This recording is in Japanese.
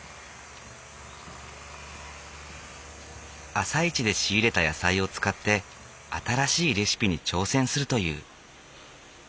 朝市で仕入れた野菜を使って新しいレシピに挑戦するという。